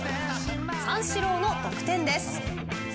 三四郎の得点です。